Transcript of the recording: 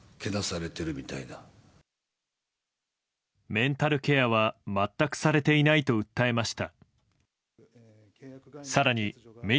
メンタルケアは全くされていないと訴えました。